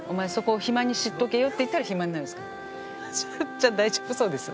じゃあ大丈夫そうです。